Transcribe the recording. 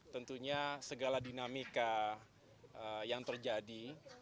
tentunya segala dinamika yang terjadi